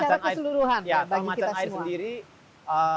secara keseluruhan bagi kita semua